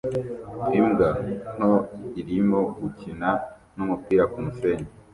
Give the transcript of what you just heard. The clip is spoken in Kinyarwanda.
Imbwa nto irimo gukina n'umupira kumusenyi